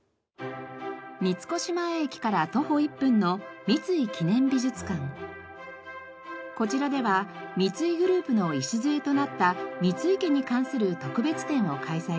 三越前駅から徒歩１分のこちらでは三井グループの礎となった三井家に関する特別展を開催中。